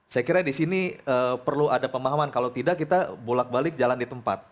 saya kira di sini perlu ada pemahaman kalau tidak kita bolak balik jalan di tempat